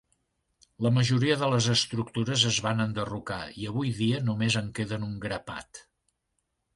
La majoria de les estructures es van enderrocar, i avui dia només en queden un grapat.